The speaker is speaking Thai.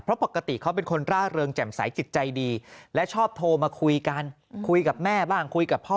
เพราะปกติเขาเป็นคนร่าเริงแจ่มใสจิตใจดีและชอบโทรมาคุยกันคุยกับแม่บ้างคุยกับพ่อ